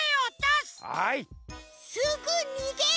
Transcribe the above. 「す」ぐにげる！